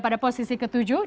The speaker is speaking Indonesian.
pada posisi ketujuh